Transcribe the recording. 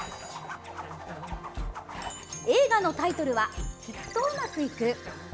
映画のタイトルは「きっと、うまくいく」。